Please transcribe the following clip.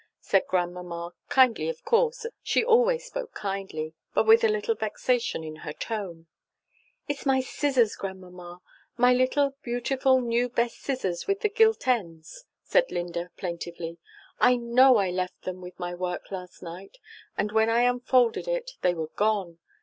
said Grandmamma, kindly of course she always spoke kindly, but with a little vexation in her tone. "It's my scissors, Grandmamma my little beautiful new best scissors with the gilt ends," said Linda plaintively, "I know I left them with my work last night, and when I unfolded it they were gone.